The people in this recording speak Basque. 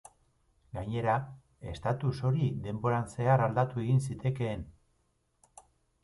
Gainera, estatus hori denboran zehar aldatu egin zitekeen.